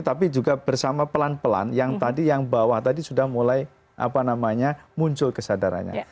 tapi juga bersama pelan pelan yang tadi yang bawah tadi sudah mulai muncul kesadarannya